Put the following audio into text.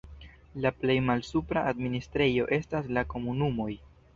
La plej malsupra administrejo estas la komunumoj.